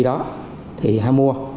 đó thì ha mua